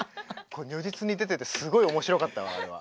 如実に出ててすごい面白かったわあれは。